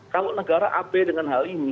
kalau negara ab dengan hal ini